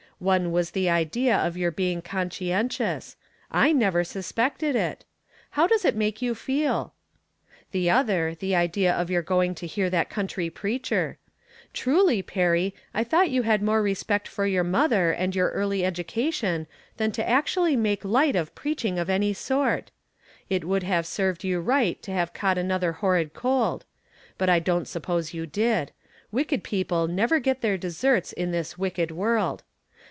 One was the idea of your being conscientious ! I never suspected it ! How does it make you feel ? The other, the idea of your going to hear that country preacher ! Truly, Perry, I thoiTght you had more respect for yoiir mother and your early education than to actually make hght of preaching of any sort. It would have served you right to have caught another horrid cold ; but I don't suppose you did ; wicked people never get their deserts in this wicked world.